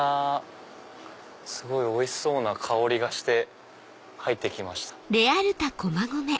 すごいおいしそうな香りがして入ってきました。